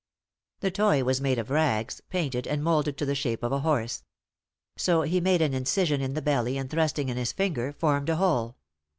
The toy was made of rags, painted and moulded to the shape of a horse. So he made an incision in the belly, and, thrusting in his finger, formed a hole.